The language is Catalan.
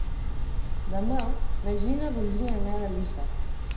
Demà na Gina voldria anar a Gallifa.